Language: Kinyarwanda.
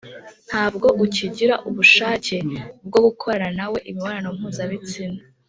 ntabwo ukigira ubushake bwo gukorana na we imibonano mpuzabitsina